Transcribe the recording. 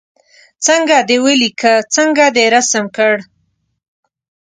څنګه دې ولیکه څنګه دې رسم کړ.